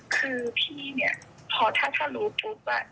คือพี่เนี่ยพอถ้ารู้ปุ๊บ